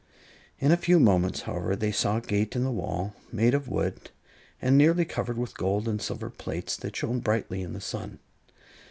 In a few moments, however, they saw a gate in the wall, made of wood and nearly covered with gold and silver plates that shone brightly in the sun.